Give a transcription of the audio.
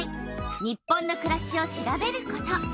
「日本のくらし」を調べること。